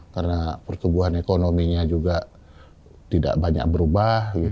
karena pertumbuhan ekonominya juga tidak banyak berubah gitu